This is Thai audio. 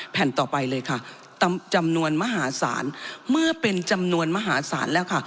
แผ่นต่อไปเลยค่ะจำนวนมหาศาลเมื่อเป็นจำนวนมหาศาลแล้วค่ะ